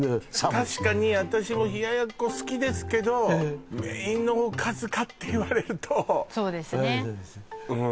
確かに私も冷奴好きですけどメインのおかずかって言われるとそうですねうんそうです